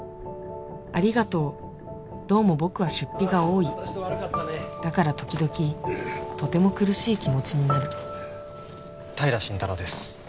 ありがとうどうも僕は出費が多いだから時々とても苦しい気持ちになる平真太郎です